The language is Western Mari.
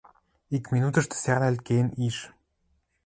Ик минутшы сӓрнӓлт кеен иш.